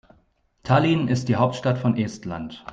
Tallinn ist die Hauptstadt von Estland.